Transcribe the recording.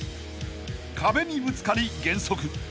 ［壁にぶつかり減速。